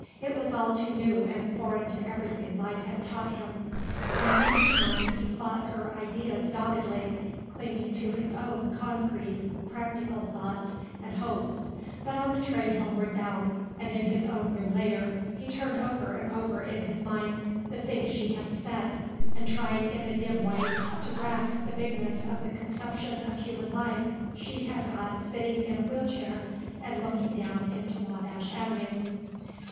It was all too new and foreign to everything life had taught him, and in his mind he fought her ideas doggedly, clinging to his own concrete, practical thoughts and hopes, but on the train homeward bound, and in his own room later, he turned over and over in his mind the things she had said and tried in a dim way to grasp the bigness of the conception of human life she had got sitting in a wheel chair and looking down into Wabash Avenue.